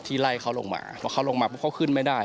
ที่ไล่เขาลงมาเพราะเขาลงมาก็เขาขึ้นไม่ได้